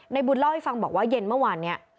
บุญเล่าให้ฟังบอกว่าเย็นเมื่อวานนี้